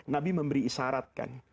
nabi memberi isyarat kan